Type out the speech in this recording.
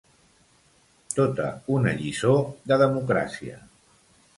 Tota una lliçó de democràcia.